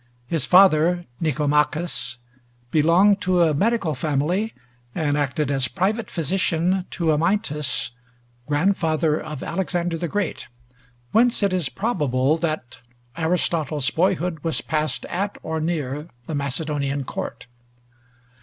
His father, Nicomachus, belonged to a medical family, and acted as private physician to Amyntas, grandfather of Alexander the Great; whence it is probable that Aristotle's boyhood was passed at or near the Macedonian court.